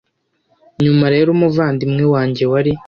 Nyuma rero umuvandimwe wanjye wari